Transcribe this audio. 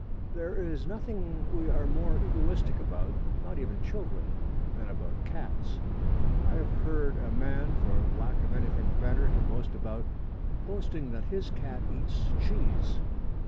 There is nothing we are more egoistic about not even children than about cats. I have heard a man, for lack of anything better to boast about, boasting that his cat eats cheese.